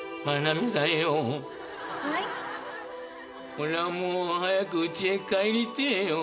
俺は早くうちへ帰りてえよ。